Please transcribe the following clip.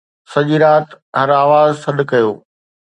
سڄي رات هر آواز سڏ ڪيو